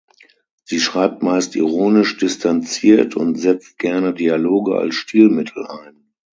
Sie schreibt meist ironisch distanziert und setzt gerne Dialoge als Stilmittel ein.